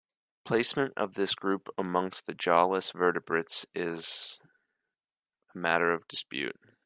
Placement of this group among the jawless vertebrates is a matter of dispute.